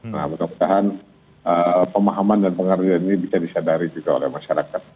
nah mudah mudahan pemahaman dan pengertian ini bisa disadari juga oleh masyarakat